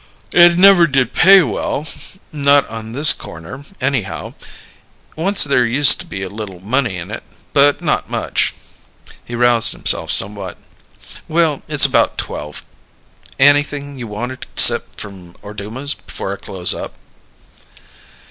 "It never did pay well not on this corner, anyhow. Once there used to be a little money in it, but not much." He roused himself somewhat. "Well, it's about twelve. Anything you wanted 'cept them Ordumas before I close up?"